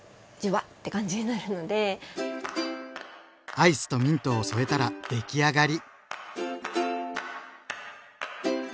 アイスとミントを添えたら出来上がり。